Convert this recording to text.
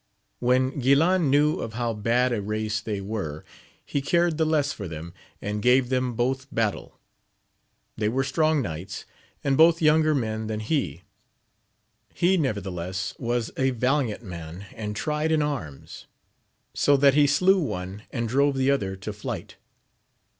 When Guilan knew of how bad a race they were, he cared the less for them, and gave them both battle. They were strong knights, and both younger men than he ; he, nevertheless, was a valiant man and tried in arms, so that he slew one, and drove the other to flight.